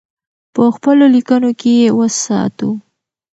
په خپلو لیکنو کې یې وساتو.